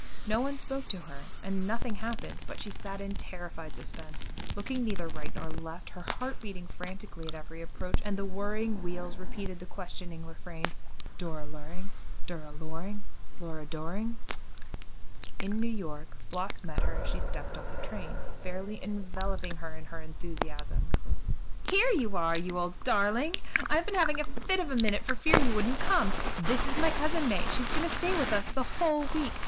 No one spoke to her, and nothing happened, but she sat in terrified suspense, looking neither to right nor left, her heart beating frantically at every approach, and the whirring wheels repeating the questioning refrain, "Dora Luring? Dura Loring? Lura Doring?" In New York, Floss met her as she stepped off the train, fairly enveloping her in her enthusiasm. "Here you are, you old darling! I have been having a fit a minute for fear you wouldn't come. This is my Cousin May. She is going to stay with us the whole week.